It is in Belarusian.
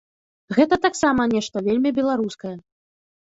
Гэта таксама нешта вельмі беларускае.